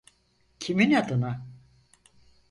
Kimin adına?